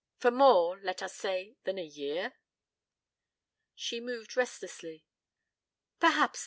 For more, let us say, than a year?" She moved restlessly. "Perhaps not.